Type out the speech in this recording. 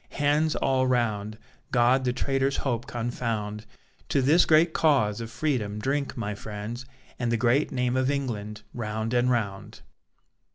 Hands all round! God the traitor's hope confound! To this great cause of Freedom drink, my friends, And the great name of England, round and round.